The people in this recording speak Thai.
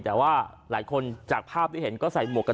แต่ว่าหลายคนจากภาพที่เห็นก็ใส่หมวกกัน